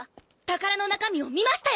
宝の中身を見ましたよね！？